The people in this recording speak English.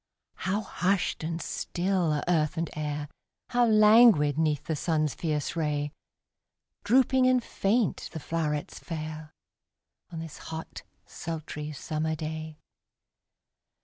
How hushed and still are earth and air, How languid 'neath the sun's fierce ray Drooping and faint the flowrets fair, On this hot, sultry, summer day!